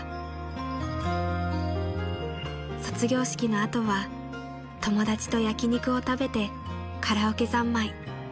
［卒業式の後は友達と焼き肉を食べてカラオケ三昧］